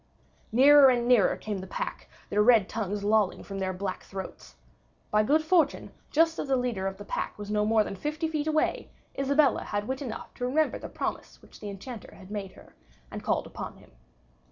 Nearer and nearer came the pack, their red tongues lolling from their black throats. By good fortune, just as the leader of the pack was not more than fifty feet away, Isabella had wit enough to remember the promise which the Enchanter had made her, and called upon him.